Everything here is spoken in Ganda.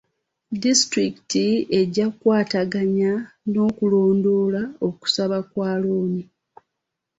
Disitulikiti ejja kukwataganya n'okulondoola okusaba kwa looni.